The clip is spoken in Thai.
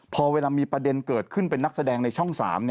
พอเวลามีประเด็นเกิดขึ้นเป็นนักแสดงในช่อง๓